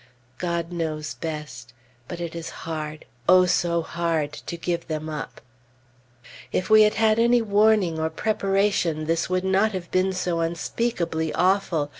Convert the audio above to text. God knows best. But it is hard O so hard! to give them up.... If we had had any warning or preparation, this would not have been so unspeakably awful.